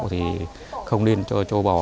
thì không nên cho trâu bò